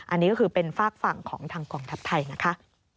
อันนี้ก็คือเป็นฝากฝั่งของทางกองทัพไทยนะคะ